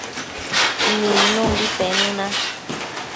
nidnumbi penuna